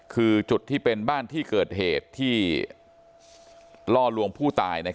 คือจุดที่เป็นบ้านที่เกิดเหตุที่ล่อลวงผู้ตาย